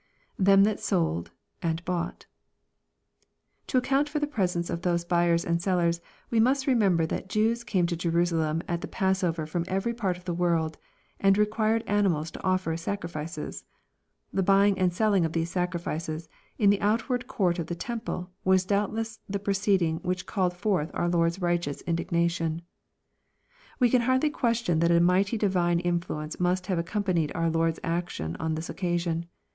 [Them thai sold..,and boiight] To account for the presence of those buyers and sellers, we must remember that Jews came to Jerusalem at the passover from every part of the world, and re quired animals to offer as sacrifices. The buying and selling of these sacrifices, in the outward court of the temple, was doubtless the proceeding which called forth our Lord's righteous indignation. We can hardly question that a mighty divine influence must have. accompanied our liOrd's action on this occasion.